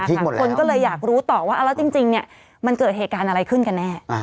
คนก็เลยอยากรู้ต่อว่าแล้วจริงมันเกิดเหตุการณ์อะไรขึ้นกันแน่